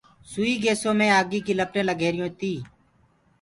سئي گيسو مي آگيٚ ڪيٚ لپٽينٚ لگ رهيريونٚ تي۔